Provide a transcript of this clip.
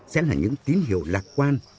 sẽ là những tín hiệu lạc quan